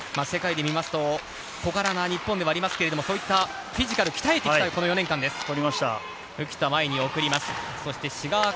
世界で見ますと小柄な日本ではありますけど、そういったフィジカルを鍛えてきた、この４年間です。